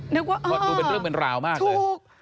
นึกว่าอ่ามันเป็นเรื่องเป็นราวมากเลยถูก